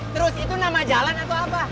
terus itu nama jalan atau apa